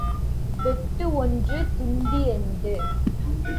வெட்டு ஒன்று துண்டிரண்டு.